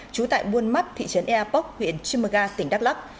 trú tại buôn mắt thị trấn ea pốc huyện chimaga tỉnh đắk lắc